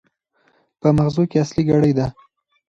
په ماغزو کې اصلي ګړۍ ده.